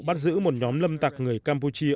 bắt giữ một nhóm lâm tặc người campuchia